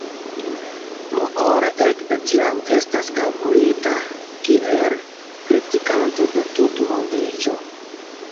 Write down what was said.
Moore ekde tiam estas kalkulita kiel kritikanto de tutmondiĝo.